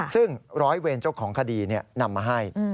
ซึ่งร้อยเวรเจ้าของคดีนำมาให้